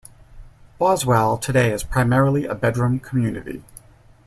Boswell today is primarily a bedroom community.